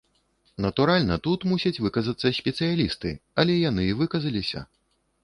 Натуральна, тут мусяць выказацца спецыялісты, але яны і выказаліся.